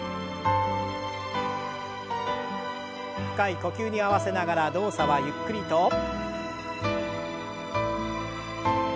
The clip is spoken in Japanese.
深い呼吸に合わせながら動作はゆっくりと。